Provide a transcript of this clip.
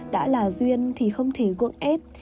đã là duyên thì không thể gượng ép